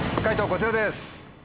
こちらです。